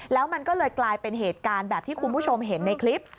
แล้วมันก็เลยกลายเป็นเหตุการณ์แบบที่คุณผู้ชมเห็นในคลิป